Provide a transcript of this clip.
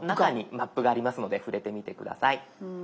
「マップ」がありますので触れてみて下さい。